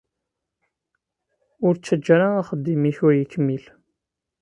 Ur ttaǧǧa ara axeddim-ik ur ikmil.